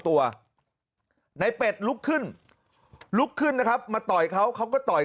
ตัวในเป็ดลุกขึ้นลุกขึ้นนะครับมาต่อยเขาเขาก็ต่อย